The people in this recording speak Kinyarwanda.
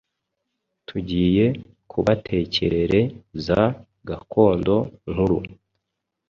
tugiye kubatekerere za gakondo nkuru